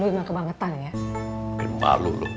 lu ini mah kebangetan ya